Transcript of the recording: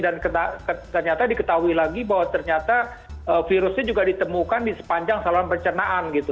dan ternyata diketahui lagi bahwa ternyata virusnya juga ditemukan di sepanjang saluran percenaan gitu